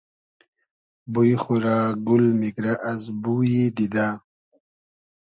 بوی خو رۂ گول میگرۂ از بویی دیدۂ